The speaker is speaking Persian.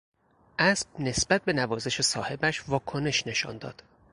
اسب نسبت به نوازش صاحبش واکنش نشان داد.